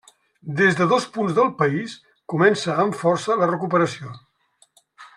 Des de dos punts del país comença amb força la recuperació.